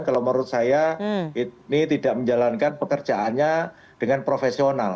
kalau menurut saya ini tidak menjalankan pekerjaannya dengan profesional